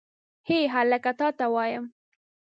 هې هلکه تا ته وایم.